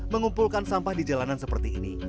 mengumpulkan sampah di jalanan seperti ini